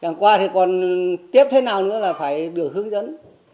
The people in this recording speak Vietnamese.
chẳng qua thì còn tiếp thế nào nữa là phải được hướng dẫn